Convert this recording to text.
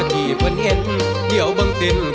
เธอไม่รู้ว่าเธอไม่รู้